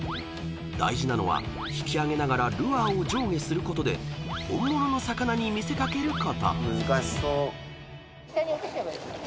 ［大事なのは引き上げながらルアーを上下することで本物の魚に見せかけること］